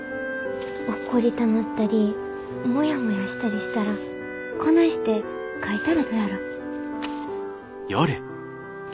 怒りたなったりモヤモヤしたりしたらこないして書いたらどやろ？